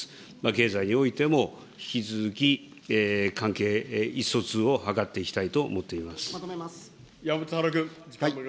経済においても、引き続き、関係、意思疎通を図っていきたいと思っ山本太郎君。